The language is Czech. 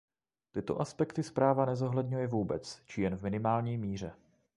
Tyto aspekty zpráva nezohledňuje vůbec, či jen v minimální míře.